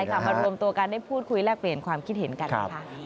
กลับมารวมตัวกันได้พูดคุยแลกเปลี่ยนความคิดเห็นกันนะคะ